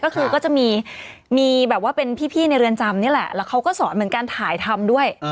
ก็คือก็จะมีแบบว่าเป็นพี่ในเรือนจำนี่แหละแล้วเขาก็สอนเหมือนกันถ่ายทำด้วย